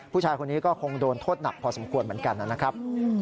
ผู้ชายคนนี้ก็คงโดนโทษหนักพอสมควรเหมือนกันนะครับ